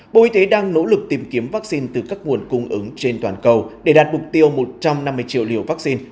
bộ y tế đang nỗ lực tìm kiếm vaccine từ các nguồn cung ứng trên toàn cầu để đạt mục tiêu một trăm năm mươi triệu liều vaccine